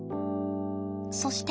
そして。